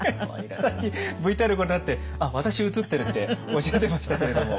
さっきＶＴＲご覧になって「あっ私映ってる」っておっしゃってましたけれども。